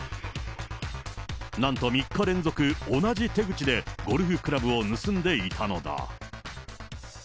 なんと３日連続、同じ手口でゴルフクラブを盗んでいたのだ。